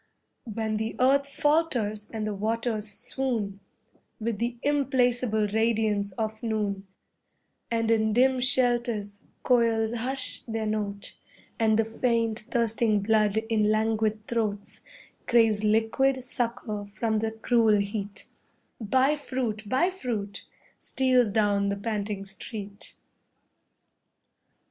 When the earth falters and the waters swoon With the implacable radiance of noon, And in dim shelters koils hush their notes, And the faint, thirsting blood in languid throats Craves liquid succour from the cruel heat, BUY FRUIT, BUY FRUIT, steals down the panting street.